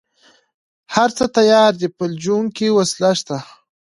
هره څه تيار دي فلجوونکې وسله شته.